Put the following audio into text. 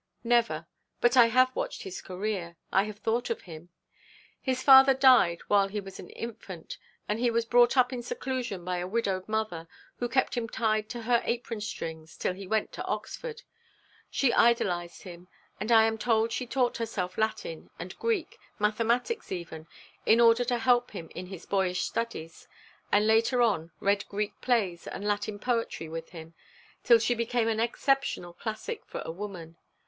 'Never; but I have watched his career, I have thought of him. His father died while he was an infant, and he was brought up in seclusion by a widowed mother, who kept him tied to her apron strings till he went to Oxford. She idolised him, and I am told she taught herself Latin and Greek, mathematics even, in order to help him in his boyish studies, and, later on, read Greek plays and Latin poetry with him, till she became an exceptional classic for a woman.